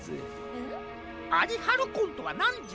アリハルコンとはなんじゃ？